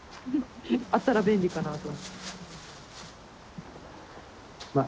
あったら便利かなと。